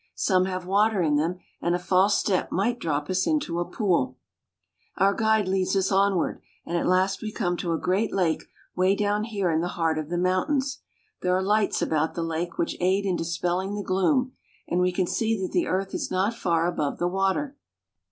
Some have water in them, and a false step might drop us into a pooL Our guide leads us onward, and at last we come to a great lake 'way down here in the heart of the mountains. There are lights about the lake which aid in dispelling the gloom, and we can see that the earth is not far above the water.